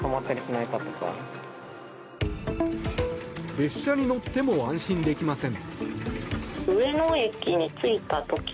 列車に乗っても安心できません。